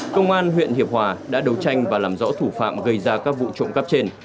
công an huyện hiệp hòa đã đấu tranh và làm rõ thủ phạm gây ra các vụ trộm cắp trên